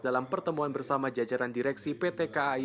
dalam pertemuan bersama jajaran direksi pt kai